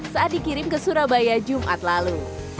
saat dikirim ke surabaya jumat lalu